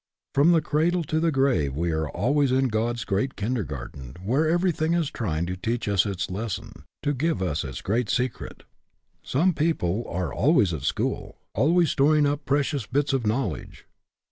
From the cradle to the grave we are always in God's great kindergarten, where everything is trying to teach us its lesson; to give us its great secret. Some people are always at school, always storing up precious bits of knowledge.